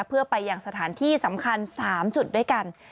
เพื่อไปอย่างสถานที่สำคัญ๓จุดด้วยกัน